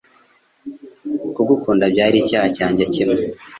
Kugukunda byari icyaha cyanjye kimwe -